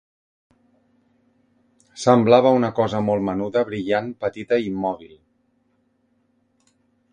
Semblava una cosa molt menuda, brillant, petita i immòbil.